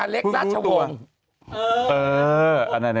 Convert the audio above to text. อเล็กซาชาวง